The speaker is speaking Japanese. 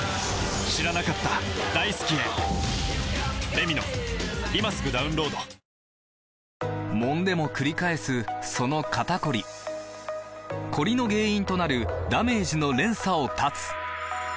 「ハミング」史上Ｎｏ．１抗菌もんでもくり返すその肩こりコリの原因となるダメージの連鎖を断つ！